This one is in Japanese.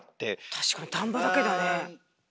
確かに田んぼだけだね。